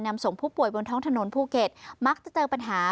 ส่งผู้ป่วยบนท้องถนนภูเก็ตมักจะเจอปัญหา